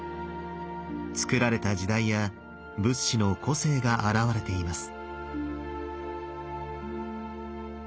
造られた時代や仏師の個性が表れています。